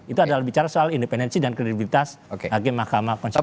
jadi itu adalah soal independensi dan kredibilitas hakim mahkamah konstitusional